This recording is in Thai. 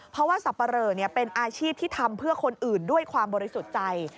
เพราะว่าสับปะเรอเป็นอาชีพที่ทำเพื่อคนอื่นด้วยความบริสุทธิ์ใจ